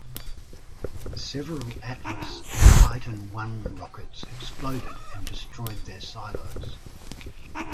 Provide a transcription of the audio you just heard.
Several Atlas and Titan I rockets exploded and destroyed their silos.